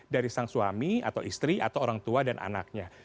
dari sang suami atau istri atau orang tua dan anaknya